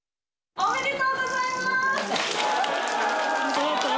おめでとうございます。